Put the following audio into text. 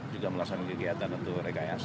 juga melaksanakan kegiatan atau rekayasa